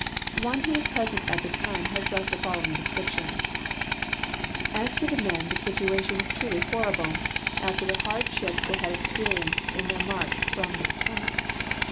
One Avho Avas present at the time has left the folloAving descrip tion : As to the men, the situation Avas truly horrible, after the hard shifts they had experienced in their march from the Potomack.